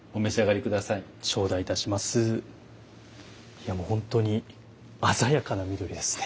いやもう本当に鮮やかな緑ですね。